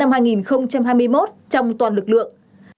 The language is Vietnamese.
chính năm hai nghìn hai mươi một trong toàn lực lượng